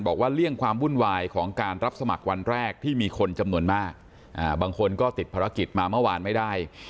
เลี่ยงความวุ่นวายของการรับสมัครวันแรกที่มีคนจำนวนมากบางคนก็ติดภารกิจมาเมื่อวานไม่ได้